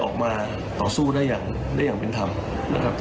ขอบคุณครับ